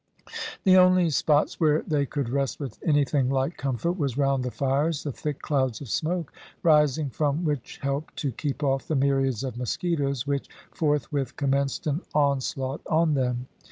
The only spots where they could rest with anything like comfort was round the fires, the thick clouds of smoke rising from which helped to keep off the myriads of mosquitoes which forthwith commenced an onslaught on them.